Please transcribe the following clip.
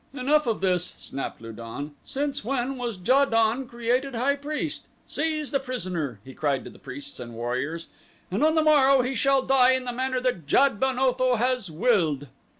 "Enough of this," snapped Lu don. "Since when was Ja don created high priest? Seize the prisoner," he cried to the priests and warriors, "and on the morrow he shall die in the manner that Jad ben Otho has willed."